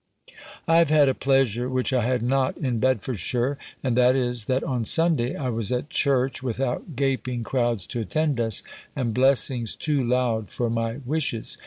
I have had a pleasure which I had not in Bedfordshire; and that is, that on Sunday I was at church, without gaping crowds to attend us, and blessings too loud for my wishes.